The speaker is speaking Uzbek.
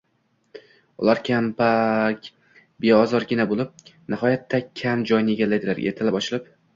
Ular kambarg, beozorgina bo'lib, nihoyatda kam joyni egallar, ertalab ochilib